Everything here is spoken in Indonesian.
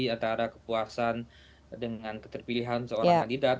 antara kepuasan dengan keterpilihan seorang kandidat